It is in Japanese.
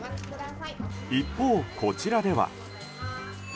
一方、こちらでは。